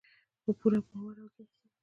په پوره باور او ځواک سره.